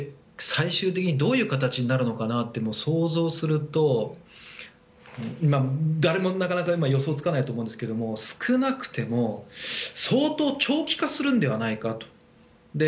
最終的にどういう形になるのかなというのを想像すると誰もなかなか予想がつかないと思うんですが少なくても相当長期化するんではないかと。